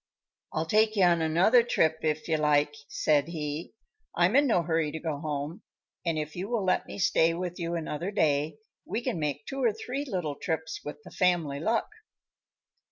"I'll take you on another trip, if you like," said he, "I'm in no hurry to go home and if you will let me stay with you another day we can make two or three little trips with the family luck."